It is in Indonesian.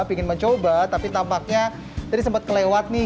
ingin mencoba tapi tampaknya tadi sempat kelewat nih